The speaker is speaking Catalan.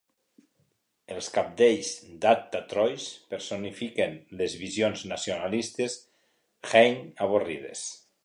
Els cabdells d"Atta Trolls personifiquen les visions nacionalistes Heine avorrides.